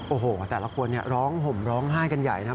โอ้โหแต่ละคนร้องห่มร้องไห้กันใหญ่นะครับ